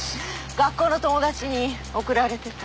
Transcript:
学校の友達に送られてた。